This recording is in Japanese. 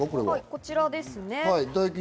こちらです。